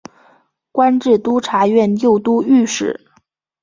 官至都察院右都御史。